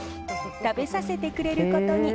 食べさせてくれることに。